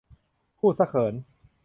พูดซะเขิน